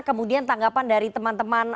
kemudian tanggapan dari teman teman